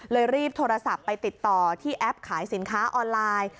รีบโทรศัพท์ไปติดต่อที่แอปขายสินค้าออนไลน์